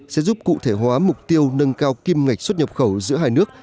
sẽ giúp cụ thể hóa mục tiêu nâng cao kim ngạch xuất nhập khẩu giữa hai nước